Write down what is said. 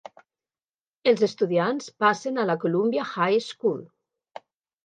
Els estudiants passen a la Columbia High School.